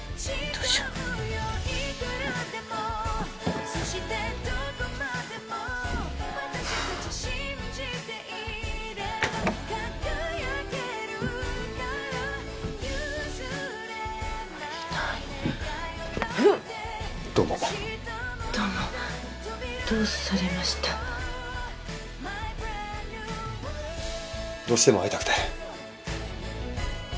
どうしても会いたくて。